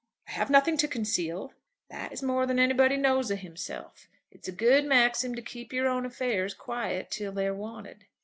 "I have nothing to conceal." "That is more than anybody knows of himself. It's a good maxim to keep your own affairs quiet till they're wanted.